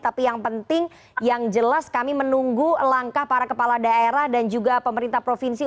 tapi yang penting yang jelas kami menunggu langkah para kepala daerah dan juga pemerintah provinsi